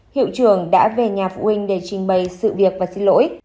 hiệu trưởng đã về nhà phụ huynh để trình bày sự việc và xin lỗi